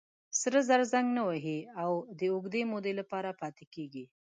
سره زر زنګ نه وهي او د اوږدې مودې لپاره پاتې کېږي.